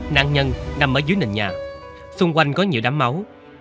nạn nhân nằm ở dưới nền nhà xung quanh có nhiều đám máu